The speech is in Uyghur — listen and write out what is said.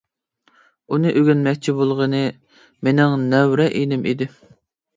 ئۇنى ئۆگەنمەكچى بولغىنى مېنىڭ نەۋرە ئېنىم ئىدى.